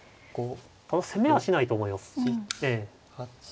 攻めはしないと思います。